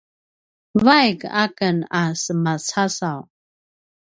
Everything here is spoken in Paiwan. vaik aken a semacasaw